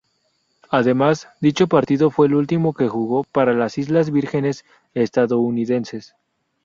Además, dicho partido fue el último que jugó para las Islas Vírgenes Estadounidenses.